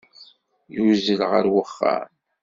Yuzzel ɣer uxxam.